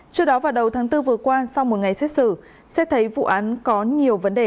trước đó vào đầu tháng bốn vừa qua sau một ngày xét xử xét thấy vụ án có nhiều vấn đề